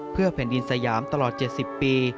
เพื่อแผ่นดินสยามตลอด๗๐ปี